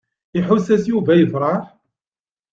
Iḥuss-as Yuba yefṛeḥ.